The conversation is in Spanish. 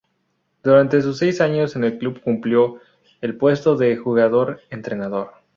Durante sus seis años en el club, cumplió el puesto de jugador entrenador.